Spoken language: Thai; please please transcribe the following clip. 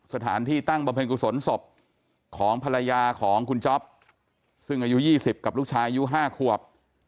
สถานที่ตั้งบำเพ็ญกุศลศพของภรรยาของคุณจ๊อปซึ่งอายุ๒๐กับลูกชายอายุ๕ขวบ